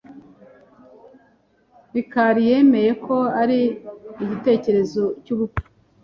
Mikali yemeye ko ari igitekerezo cyubupfu.